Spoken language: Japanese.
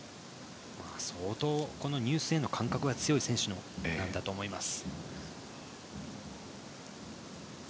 相当、入水への感覚が強い選手なんだと思います。